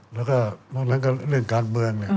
แล้วก็เรื่องการเมือง